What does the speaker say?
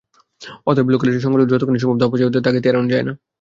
অতএব, লোকালাইজড সংকটকে যতখানি সম্ভব ধামাচাপা দেওয়ার তাগিদ এড়ানো যায় না।